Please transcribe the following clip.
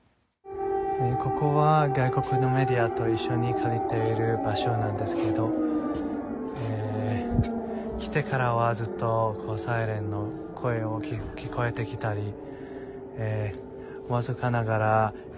ここは外国のメディアと一緒に借りている場所なんですけど、来てからはずっとサイレンの声を聞こえてきたり、